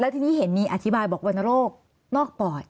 ทีนี้เห็นมีอธิบายบอกวรรณโรคนอกปอด